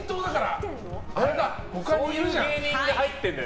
そういう芸人が入ってるんだよ。